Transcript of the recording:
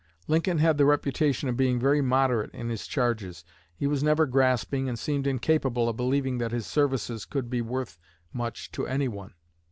Lincoln had the reputation of being very moderate in his charges. He was never grasping, and seemed incapable of believing that his services could be worth much to anyone.